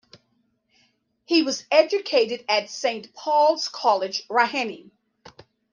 He was educated at Saint Paul's College, Raheny.